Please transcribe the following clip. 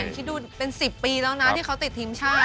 คิดดูเป็น๑๐ปีแล้วนะที่เขาติดทีมชาติ